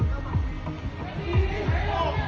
สวัสดีครับ